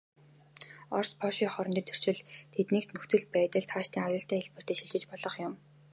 Орос, Польшийн хоорондын зөрчил, тэндхийн нөхцөл байдал, цаашид аюултай хэлбэрт шилжиж болох юм.